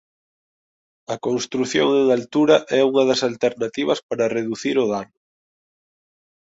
A construción en altura é unha das alternativas para reducir o dano.